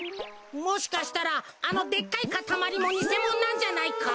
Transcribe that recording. もしかしたらあのでっかいかたまりもにせもんなんじゃないか？